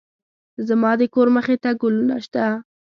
زما د کور مخې ته ګلونه شته